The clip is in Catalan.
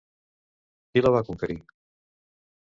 Qui la va conquerir?